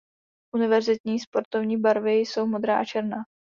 Univerzitní sportovní barvy jsou modrá a černá.